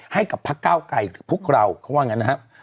ให้กับพักเก้าไกรหรือพวกเราเขาว่างั้นนะครับ